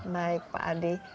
baik pak adi